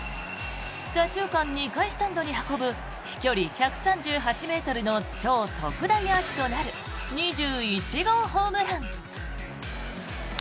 左中間２階スタンドに運ぶ飛距離１３８ｍの超特大アーチとなる２１号ホームラン。